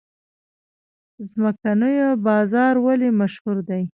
څمکنیو بازار ولې مشهور دی؟